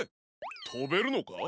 とべるのか？